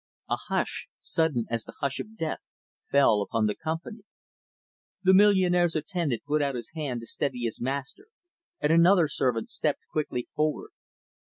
A hush, sudden as the hush of death, fell upon the company. The millionaire's attendant put out his hand to steady his master, and another servant stepped quickly forward.